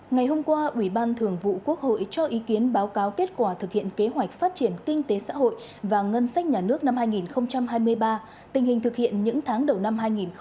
ngày hôm qua ủy ban thường vụ quốc hội cho ý kiến báo cáo kết quả thực hiện kế hoạch phát triển kinh tế xã hội và ngân sách nhà nước năm hai nghìn hai mươi ba tình hình thực hiện những tháng đầu năm hai nghìn hai mươi bốn